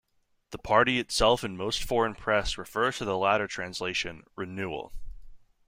The party itself and most foreign press prefers the latter translation, "Renewal".